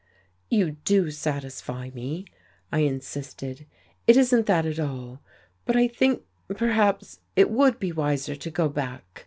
"You do satisfy me," I insisted. "It isn't that at all. But I think, perhaps, it would be wiser to go back.